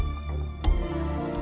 tidak ada pengitian